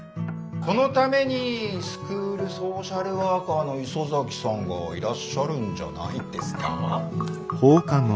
そのためにスクールソーシャルワーカーの磯崎さんがいらっしゃるんじゃないですか？